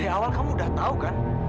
dari awal kamu udah tau kan